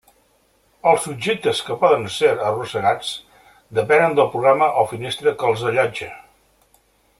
Els objectes que poden ser arrossegats depenen del programa o finestra que els allotja.